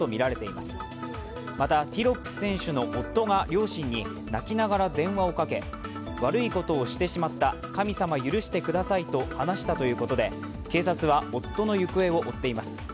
また、ティロップ選手の夫が両親に泣きながら電話をかけ、悪いことをしてしまった、神様許してくださいと話したということで警察は夫の行方を追っています。